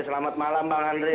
selamat malam bang andre